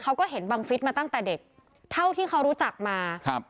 เขาก็เห็นบังฟิศมาตั้งแต่เด็กเท่าที่เขารู้จักมาครับ